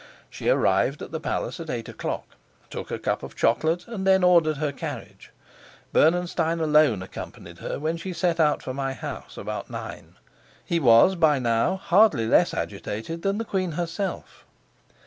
She arrived at the palace at eight o'clock, took a cup of chocolate, and then ordered her carriage. Bernenstein alone accompanied her when she set out for my house about nine. He was, by now, hardly less agitated than the queen herself.